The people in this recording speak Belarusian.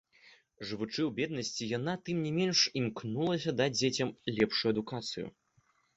Жывучы ў беднасці, яна, тым не менш, імкнулася даць дзецям лепшую адукацыю.